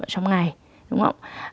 trong một ngày